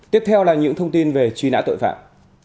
tiếp theo là những thông tin về truy nã tội phạm